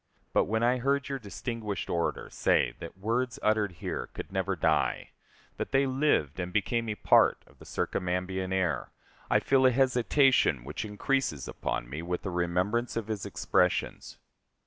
But, when I heard your distinguished orator say that words uttered here could never die, that they lived and became a part of the circumambient air, I feel a hesitation which increases upon me with the remembrance of his expressions.